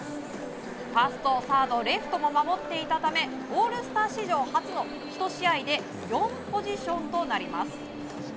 ファースト、サード、レフトも守っていたためオールスター史上初の１試合で４ポジションとなります。